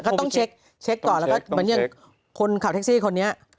เค้าต้องตรวจสินภาพก่อนถ้าเดี๋ยวเขาข่าวเท็กซี่คนนี้